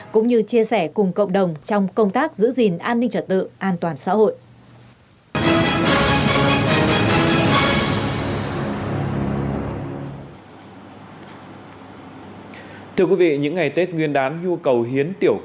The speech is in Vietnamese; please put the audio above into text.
cũng như chia sẻ cùng cộng đồng trong công tác giữ gìn an ninh trật tự an toàn xã hội